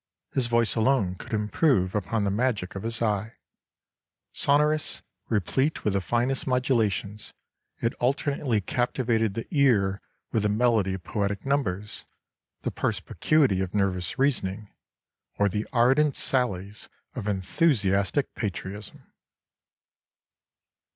His voice alone could improve upon the magic of his eye; sonorous, replete with the finest modulations, it alternately captivated the ear with the melody of poetic numbers, the perspicuity of nervous reasoning, or the ardent sallies of enthusiastic patriotism."